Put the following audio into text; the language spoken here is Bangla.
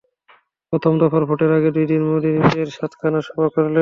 প্রথম দফার ভোটের আগে দুই দিনে মোদি নিজেই সাতখানা সভা করলেন।